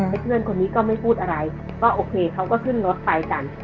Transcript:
เพื่อนคนนี้ก็ไม่พูดอะไรก็โอเคเขาก็ขึ้นรถไปกัน